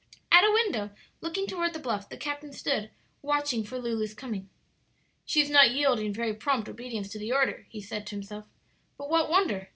At a window looking toward the bluff the captain stood, watching for Lulu's coming. "She is not yielding very prompt obedience to the order," he said to himself; "but what wonder?